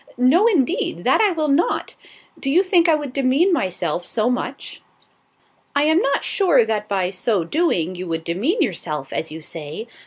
"No, indeed, that I will not. Do you think I would demean myself so much?" "I am not sure that by so doing you would demean yourself, as you say.